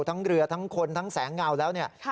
ทั้งเรือทั้งคนทั้งแสงเงาแล้วเนี่ย